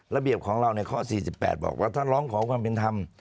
ระเบียบของเราในข้อ๔๘บอกว่าถ้าร้องขอความเป็นธรรม